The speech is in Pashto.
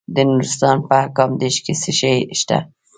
د نورستان په کامدیش کې څه شی شته؟